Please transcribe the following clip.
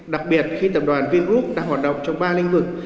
đặc biệt khi tập đoàn vingroup đang hoạt động trong ba lĩnh vực